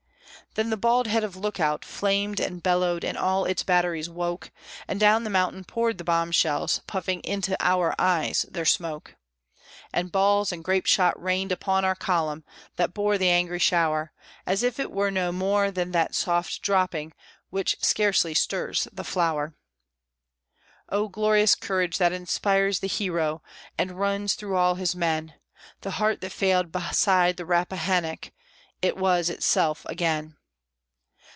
Then the bald head of Lookout flamed and bellowed, and all its batteries woke, And down the mountain poured the bomb shells, puffing into our eyes their smoke; And balls and grape shot rained upon our column, that bore the angry shower As if it were no more than that soft dropping which scarcely stirs the flower. Oh, glorious courage that inspires the hero, and runs through all his men! The heart that failed beside the Rappahannock, it was itself again!